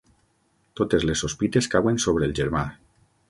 Totes les sospites cauen sobre el germà.